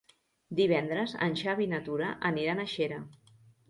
Divendres en Xavi i na Tura aniran a Xera.